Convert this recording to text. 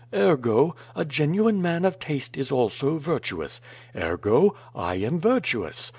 Ergo, a genuine man of taste is also virtuous. Ergo, I am virtuous.